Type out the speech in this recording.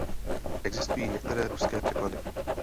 Existují i některé ruské překlady.